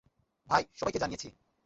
ভাই, সবাইকে জানিয়েছি।